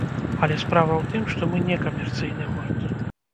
Але справа ў тым, што мы не камерцыйны гурт.